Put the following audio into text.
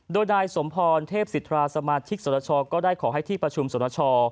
โดยนายสมพรเทพสิทธาสมาชิกสรชก็ได้ขอให้ที่ประชุมสรณชอ